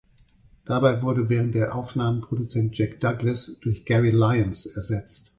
Dabei wurde während der Aufnahmen Produzent Jack Douglas durch Gary Lyons ersetzt.